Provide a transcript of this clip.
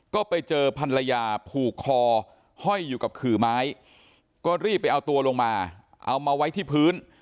ก็ไปเจอภรรยาผูกคอห้อยอยู่กับขื่อไม้ก็รีบไปเอาตัวลงมาเอามาไว้ที่พื้น